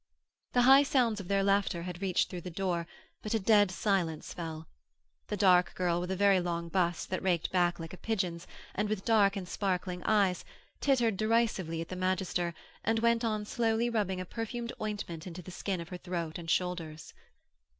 The high sounds of their laughter had reached through the door, but a dead silence fell. The dark girl with a very long bust that raked back like a pigeon's, and with dark and sparkling eyes, tittered derisively at the magister and went on slowly rubbing a perfumed ointment into the skin of her throat and shoulders.